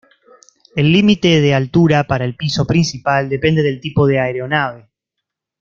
El límite de altura para el piso principal depende del tipo de aeronave.